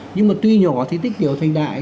nhưng mà tuy nhỏ thì tích kiểu thành đại